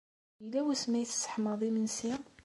Yella wasmi ay d-tesseḥmaḍ imensi?